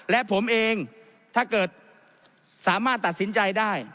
และผมเองถ้าเกิดสามารถตัดสินใจได้